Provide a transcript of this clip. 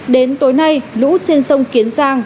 đến tối nay lũ trên sông kiến giang